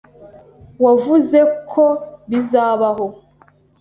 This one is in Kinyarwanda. Wavuze ko bizabaho.